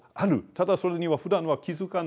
ただそれにはふだんは気付かない。